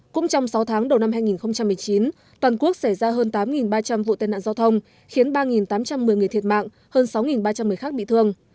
cũng trong sáu tháng đầu năm hai nghìn một mươi chín toàn quốc xảy ra hơn tám ba trăm linh vụ tên nạn giao thông khiến ba tám trăm một mươi người thiệt mạng hơn sáu ba trăm một mươi khác bị thương